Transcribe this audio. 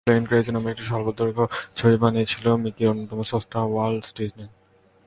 Plane Crazy নামে একটা স্বল্পদৈর্ঘ্য ছবি বানিয়েছিলেন মিকির অন্যতম স্রষ্টা, ওয়াল্ট ডিজনি।